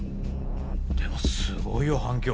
でもすごいよ反響！